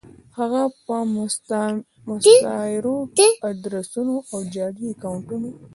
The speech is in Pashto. هفه په مستعارو ادرسونو او جعلي اکونټونو